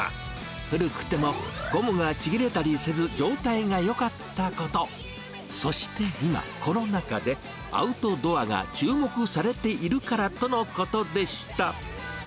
古くても、ゴムがちぎれたりせず、状態がよかったこと、そして今、コロナ禍で、アウトドアが注目されているからとのことでした。